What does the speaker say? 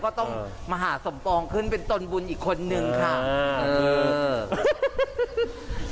ก็ต้องมหาสมปองขึ้นเป็นตนบุญอีกคนนึงค่ะ